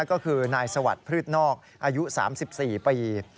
ก็คือนายสวรรค์พฤทนอกอายุ๓๔ปี